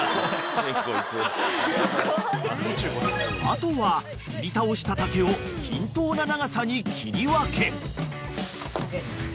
［あとは切り倒した竹を均等な長さに切り分け］